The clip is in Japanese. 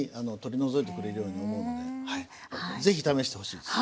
ぜひ試してほしいです。